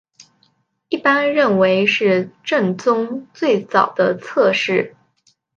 一般认为是政宗最早的侧室。